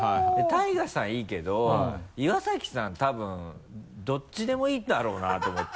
ＴＡＩＧＡさんいいけど岩崎さん多分どっちでもいいんだろうなと思って。